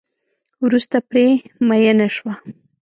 وروسته پرې میېنه شوه.